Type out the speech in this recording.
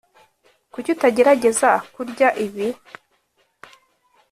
kuki utagerageza kurya ibi?